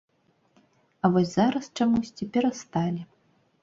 А вось зараз, чамусьці, перасталі.